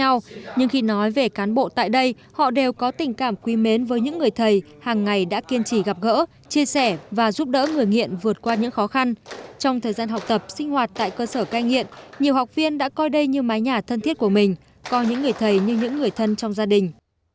nhưng khi nói về cán bộ tại đây họ đều có tình cảm quý mến với những người thầy hàng ngày đã kiên trì gặp gỡ chia sẻ và giúp đỡ người nghiện vượt qua những khó khăn trong thời gian học tập sinh hoạt tại cơ sở cai nghiện nhiều học viên đã coi đây như mái nhà thân thiết của mình coi những người thầy như những người thân trong gia đình